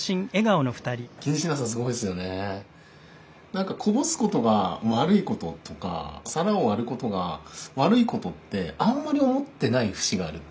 何かこぼすことが悪いこととか皿を割ることが悪いことってあんまり思ってない節があるっていうか。